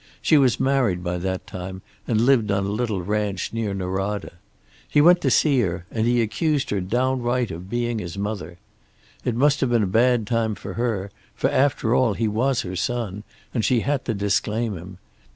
She was married by that time, and lived on a little ranch near Norada. He went to see her, and he accused her downright of being his mother. It must have been a bad time for her, for after all he was her son, and she had to disclaim him.